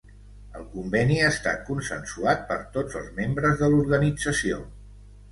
El Conveni ha estat consensuat per tots els membres de l'organització.